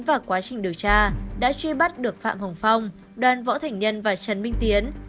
và quá trình điều tra đã truy bắt được phạm hồng phong đoàn võ thành nhân và trần minh tiến